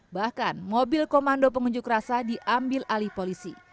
bahkan mobil komando pengunjuk rasa diambil alih polisi